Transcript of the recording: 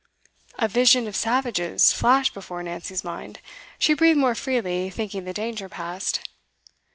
A vision of savages flashed before Nancy's mind. She breathed more freely, thinking the danger past.